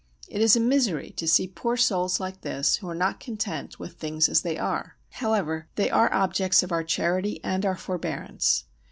It is a misery to see poor souls like this who are not content with things as they are; however, they are objects of our charity and our forebearance.